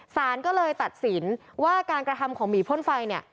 สารก็เลยตัดสินว่าการกระทำของหมีพ่นไฟเนี่ย